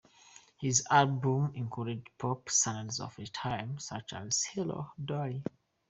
His albums included pop standards of the time, such as Hello, Dolly!